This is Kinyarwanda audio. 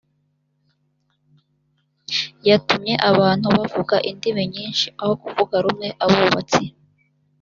yatumye abantu bavuga indimi nyinshi aho kuvuga rumwe abubatsi